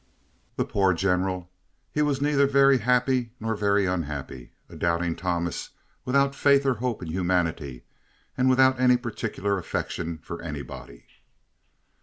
The poor General! He was neither very happy nor very unhappy—a doubting Thomas without faith or hope in humanity and without any particular affection for anybody.